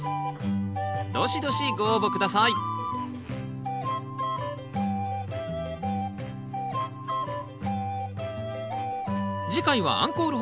どしどしご応募下さい次回はアンコール放送